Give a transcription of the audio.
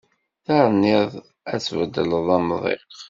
Tenniḍ ad beddleɣ amḍiq